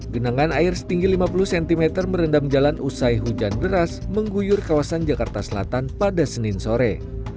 genangan air setinggi lima puluh cm merendam jalan usai hujan deras mengguyur kawasan jakarta selatan pada senin sore